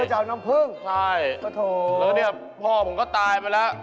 หน้าไม่ใช่โต๊ะแหม